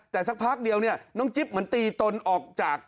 แต่สักพักเดียวเนี่ยน้องจิ๊บเหมือนตีตนออกจาก